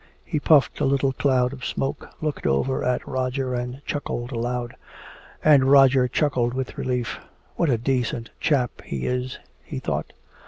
He puffed a little cloud of smoke, looked over at Roger and chuckled aloud. And Roger chuckled with relief. "What a decent chap he is," he thought.